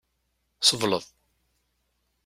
Sebleḍ.